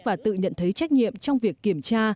và tự nhận thấy trách nhiệm trong việc kiểm tra